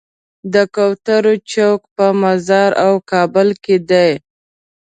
د کوترو چوک په مزار او کابل کې دی.